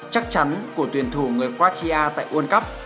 chắc chắn của tuyển thủ người quatia tại world cup